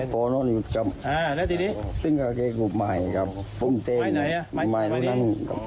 ตรงไหนเต้นพ่อเต้นไหน